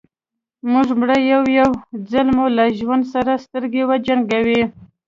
موږ مړه يو يو ځل مو له ژوند سره سترګې وجنګوئ.